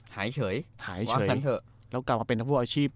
หายเฉยหายเฉยวะกันเถอะแล้วกลับมาเป็นผู้อาชีพ